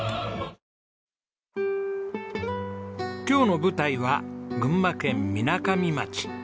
今日の舞台は群馬県みなかみ町。